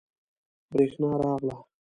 بریښنا راغله